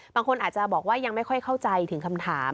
บางคนอาจจะบอกว่ายังไม่ค่อยเข้าใจถึงคำถาม